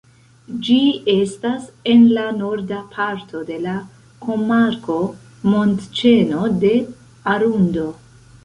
Ĝi estas en la norda parto de la komarko Montĉeno de Arundo.